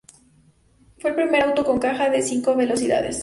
Fue el primer auto con caja de cinco velocidades.